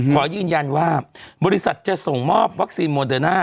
ขอยืนยันว่าบริษัทจะส่งมอบวัคซีนโมเดอร์น่า